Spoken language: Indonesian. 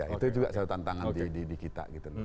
itu juga salah satu tantangan di kita